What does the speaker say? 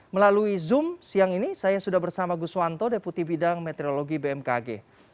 melalui zoom siang ini saya sudah bersama gus wanto deputi bidang meteorologi bmkg